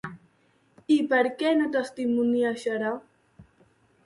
I per què no testimoniejarà?